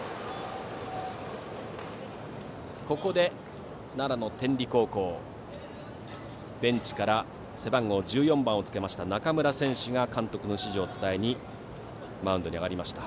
ここで奈良・天理高校ベンチから背番号１４番をつけた中村選手が監督の指示を伝えにマウンドに上がりました。